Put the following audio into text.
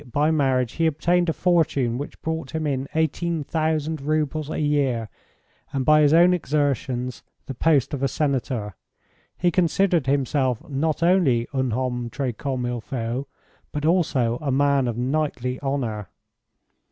by marriage he obtained a fortune which brought him in 18,000 roubles a year, and by his own exertions the post of a senator. He considered himself not only un homme tres comme il faut, but also a man of knightly honour.